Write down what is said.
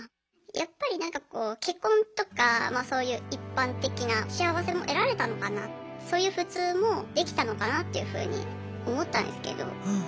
やっぱりなんかこう結婚とかそういう一般的な幸せも得られたのかなそういう普通もできたのかなっていうふうに思ったんですけど。